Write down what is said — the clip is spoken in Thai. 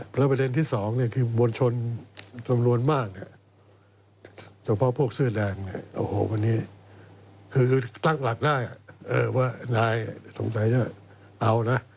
เพราะประเทศที่๒ที่มวลชนตำรวจมากสำหรับพวกเสื้อแดงตั้งหลักได้นายต้องใจจะเอานะ